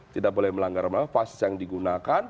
tidak boleh melanggar melanggar fases yang digunakan